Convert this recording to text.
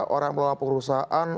orang yang mengelola perusahaan